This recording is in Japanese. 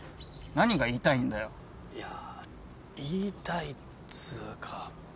いや言いたいっつうか。